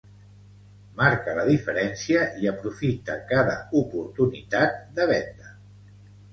marca la diferència i aprofita cada oportunitat de venda